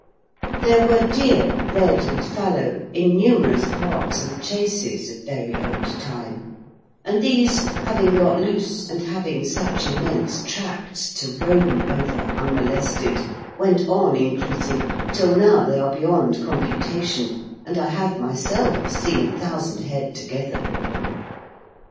There were deer, red and fallow, in numerous parks and chases of very old time, and these, having got loose, and having such immense tracts to roam over unmolested, went on increasing till now they are beyond computation, and I have myself seen a thousand head together.